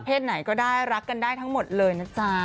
ไหนก็ได้รักกันได้ทั้งหมดเลยนะจ๊ะ